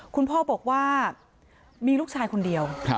คุณพ่อบอกว่ามีลูกชายคนเดียว